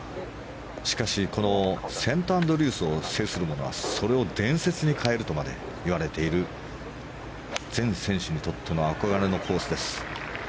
しかしこのセントアンドリュースを制する者はそれを伝説に変えるとまで言われている全選手にとっての憧れのコースです。